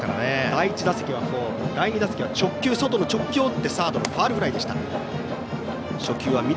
第２打席は外の直球を打ってサードのファウルフライでした。